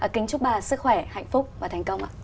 kính chúc bà sức khỏe hạnh phúc và thành công ạ